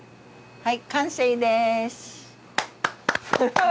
はい。